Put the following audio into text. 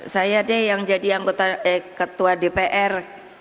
saya deh yang jadi ketua dpr